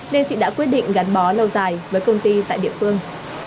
nên chị đã quyết định gắn bó lâu dài với công ty tại địa phương